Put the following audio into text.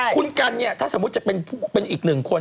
คุณกันเนี่ยถ้าสมมุติจะเป็นอีกหนึ่งคน